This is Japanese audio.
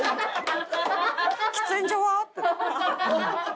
喫煙所は？って。